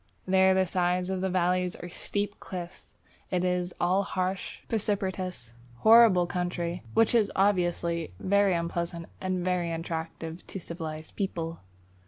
There the sides of the valleys are steep cliffs; it is all harsh, precipitous, horrible country, which is obviously very unpleasant and very unattractive to civilized people.